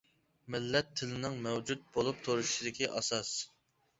مىللەت تىلنىڭ مەۋجۇت بولۇپ تۇرۇشىدىكى ئاساس.